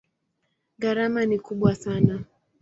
Gharama ni kubwa sana.